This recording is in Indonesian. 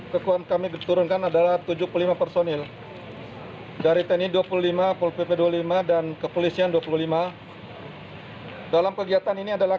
dan kami sama sekali tidak takut melarang mereka